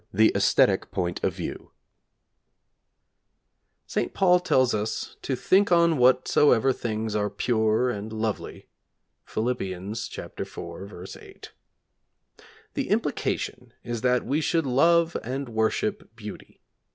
] IV THE ÆSTHETIC POINT OF VIEW St. Paul tells us to think on whatsoever things are pure and lovely (Phil. iv., 8). The implication is that we should love and worship beauty.